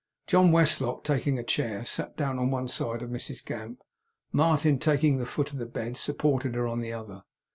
John Westlock, taking a chair, sat down on one side of Mrs Gamp. Martin, taking the foot of the bed, supported her on the other.